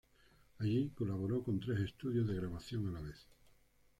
Allí colaboró con tres estudios de grabación a la vez.